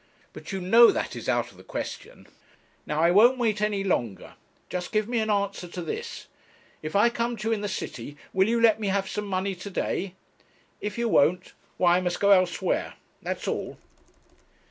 But you know that is out of the question. Now I won't wait any longer; just give me an answer to this: if I come to you in the city will you let me have some money to day? If you won't, why I must go elsewhere that's all.'